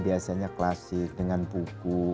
biasanya klasik dengan buku